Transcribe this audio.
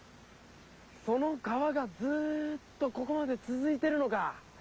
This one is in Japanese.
その川がずっとここまでつづいてるのか。